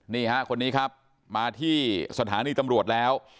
นี่ฮะคนนี้ครับมาที่สถานีตำรวจแล้ว